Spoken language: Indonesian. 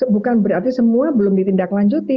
bukan berarti semua belum ditindaklanjuti